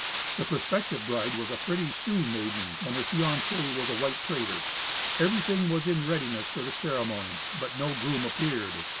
The prospective bride was a pretty Sioux maiden, and her fiance was a white trader. Everything was in readiness for the ceremony, but no groom appeared.